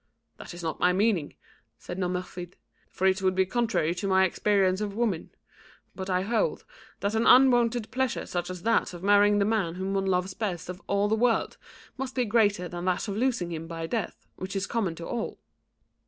"That is not my meaning," said Nomerfide, "for it would be contrary to my experience of women. But I hold that an unwonted pleasure such as that of marrying the man whom one loves best of all the world, must be greater than that of losing him by death, which is common to all."